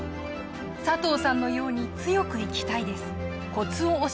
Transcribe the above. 佐藤さんのように強く生きたいです。